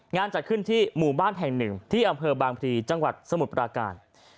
จัดขึ้นที่หมู่บ้านแห่งหนึ่งที่อำเภอบางพลีจังหวัดสมุทรปราการ